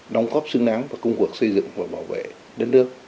đóng góp xứng đáng vào công cuộc xây dựng và bảo vệ đất nước